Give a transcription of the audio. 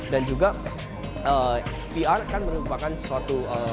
dan juga vr kan merupakan suatu